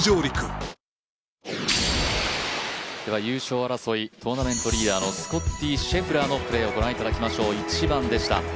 優勝争い、トーナメントリーダーのスコッティ・シェフラーのプレーを御覧いただきましょう、１番でした。